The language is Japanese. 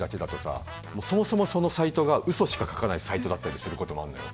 もうそもそもそのサイトがうそしか書かないサイトだったりすることもあんのよ。